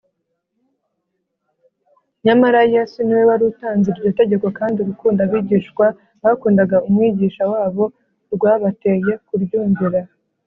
nyamara yesu niwe wari utanze iryo tegeko, kandi urukundo abigishwa bakundaga umwigisha wabo rwabateye kuryumvira